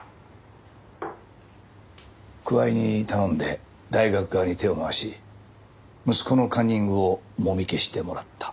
桑井に頼んで大学側に手を回し息子のカンニングをもみ消してもらった。